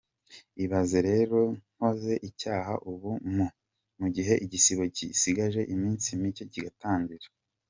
Ibaze rero nkoze icyaha ubu, mu gihe igisibo gisigaje iminsi mike kigatangira?”.